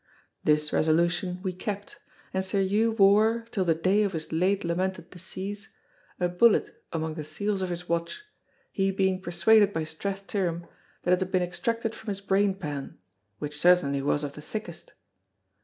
This resolution we kept, and Sir Hew wore, till the day of his late lamented decease, a bullet among the seals of his watch, he being persuaded by Strathtyrum that it had been extracted from his brain pan, which certainly was of the thickest.